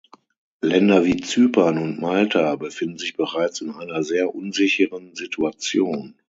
Länder wie Zypern und Malta befinden sich bereits in einer sehr unsicheren Situation.